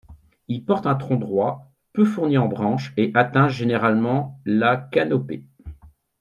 Il porte un tronc droit, peu fourni en branches et atteint généralement la canopée.